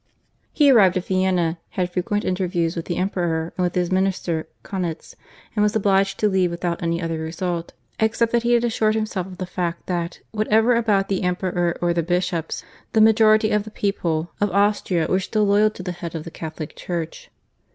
He arrived at Vienna, had frequent interviews with the Emperor and with his minister Kaunitz, and was obliged to leave without any other result, except that he had assured himself of the fact that, whatever about the Emperor or the bishops, the majority of the people of Austria were still loyal to the head of the Catholic Church.